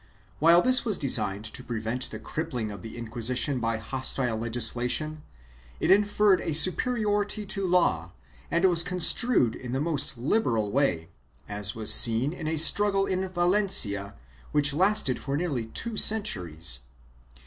3 While this was designed to prevent the crippling of the Inquisition by hostile legislation, it inferred a superiority to law and was construed in the most liberal way, as was seen in a struggle in Valencia which lasted for nearly two centuries.